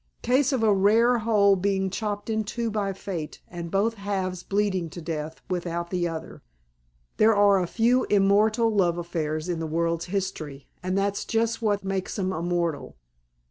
Case of a rare whole being chopped in two by fate and both halves bleeding to death without the other. There are a few immortal love affairs in the world's history, and that's just what makes 'em immortal."